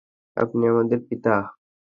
আপনি আমাদের পিতা।